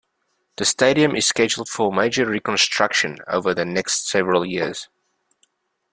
The stadium is scheduled for major reconstruction over the next several years.